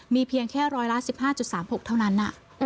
มีเพียงแค่๑๑๕๓๖ล้านบาทเท่านั้น